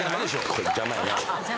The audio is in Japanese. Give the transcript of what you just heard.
こいつ邪魔やな。